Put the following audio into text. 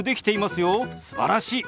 すばらしい！